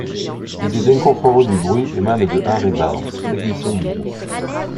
L'idée d'incorporer du bruit émane de Henry Barnes, technicien du groupe.